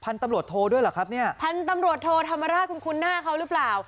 ตำรวจโทด้วยเหรอครับเนี่ยพันธุ์ตำรวจโทธรรมราชคุณคุ้นหน้าเขาหรือเปล่า